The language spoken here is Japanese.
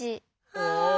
ああ。